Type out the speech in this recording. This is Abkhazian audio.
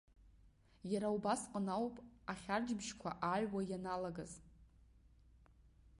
Иара убасҟан ауп ахьарчбжьқәа ааҩуа ианалагаз.